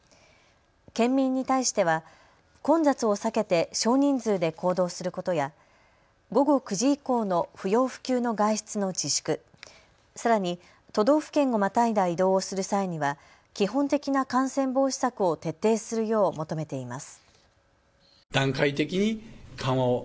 県民に対しては混雑を避けて少人数で行動することや午後９時以降の不要不急の外出の自粛、さらに都道府県をまたいだ移動をする際には基本的な感染防止策を徹底するよう求めています。